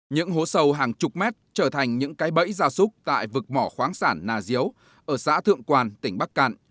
những hố sầu hàng chục mét trở thành một khu vực khai thác